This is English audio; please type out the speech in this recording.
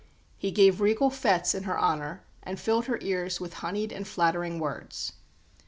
He gave regal fêtes in her honour and filled her ears with honeyed and flattering words.